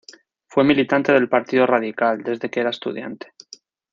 Fue militante del Partido Radical desde que era estudiante.